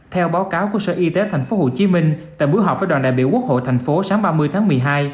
theo báo cáo của sở y tế tp hcm tại buổi họp với đoàn đại biểu quốc hội thành phố sáng ba mươi tháng một mươi hai